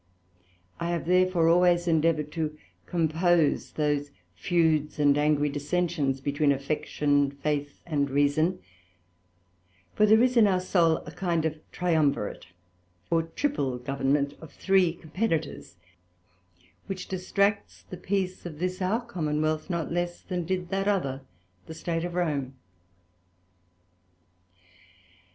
I have therefore always endeavoured to compose those Feuds and angry Dissensions between Affection, Faith and Reason: For there is in our Soul a kind of Triumvirate, or triple Government of three Competitors, which distracts the Peace of this our Common wealth, not less than did that other the State of Rome.